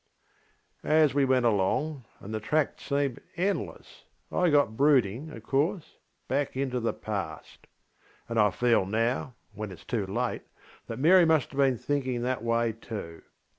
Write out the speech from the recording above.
ŌĆÖ As we went alongŌĆöand the track seemed endlessŌĆöI got brooding, of course, back into the past. And I feel now, when itŌĆÖs too late, that Mary must have been thinking that way too.